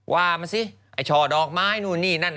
ว่ามาสิไอ้ช่อดอกไม้นู่นนี่นั่น